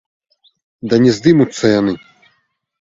Да не здымуцца яны!